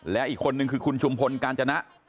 และอีกคนนึงคือคุณชุมพลกาญจนะ